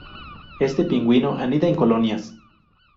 Este pingüino anida en colonias.